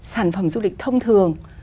sản phẩm du lịch thông thường